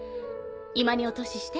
居間にお通しして。